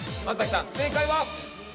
正解は？